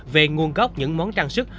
về nguồn gốc những món trang sức